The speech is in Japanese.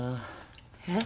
えっ？